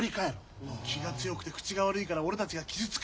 気が強くて口が悪いから俺たちが傷つく。